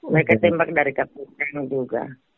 mereka tembak dari kapal peran juga